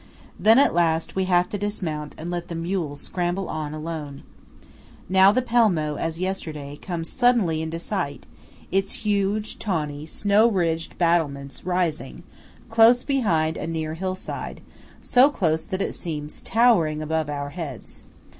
Then at last we have to dismount and let the mules scramble on alone. Now the Pelmo, as yesterday, comes suddenly into sight; its huge, tawny, snow ridged 28 battlements rising, close behind a near hill side–so close that it seems towering above our heads.